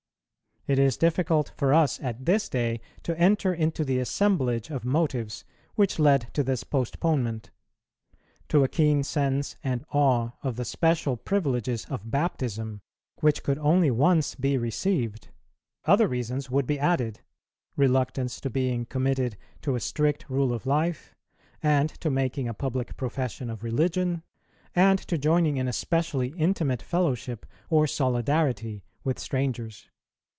It is difficult for us at this day to enter into the assemblage of motives which led to this postponement; to a keen sense and awe of the special privileges of baptism which could only once be received, other reasons would be added, reluctance to being committed to a strict rule of life, and to making a public profession of religion, and to joining in a specially intimate fellowship or solidarity with strangers.